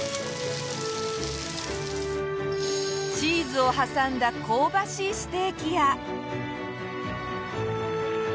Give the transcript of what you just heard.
チーズを挟んだ香ばしいステーキや。